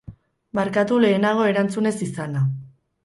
Barkatu lehenago erantzun ez izana.